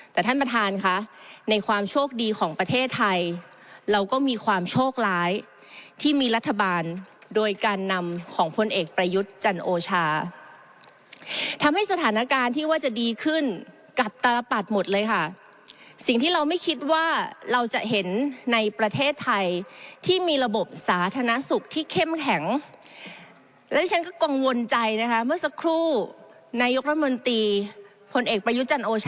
แต่ท่านประธานค่ะในความโชคดีของประเทศไทยเราก็มีความโชคร้ายที่มีรัฐบาลโดยการนำของพลเอกประยุทธ์จันโอชาทำให้สถานการณ์ที่ว่าจะดีขึ้นกับตาปัดหมดเลยค่ะสิ่งที่เราไม่คิดว่าเราจะเห็นในประเทศไทยที่มีระบบสาธารณสุขที่เข้มแข็งและที่ฉันก็กังวลใจนะคะเมื่อสักครู่นายกรัฐมนตรีพลเอกประยุทธ์จันโอ